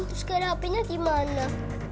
terus gak ada hpnya dimana